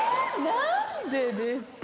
何でですか？